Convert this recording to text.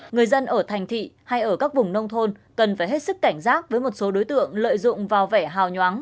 người dân ở thành thị hay ở các vùng nông thôn cần phải hết sức cảnh giác với một số đối tượng lợi dụng vào vẻ hào nhoáng